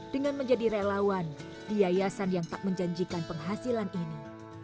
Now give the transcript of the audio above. dengan menjadi relawan di yayasan yang tak menjanjikan penghasilan ini